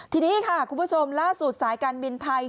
ทีนี้ค่ะคุณผู้ชมล่าสุดสายการบินไทย